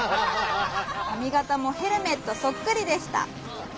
「かみがたもヘルメットそっくりでした」。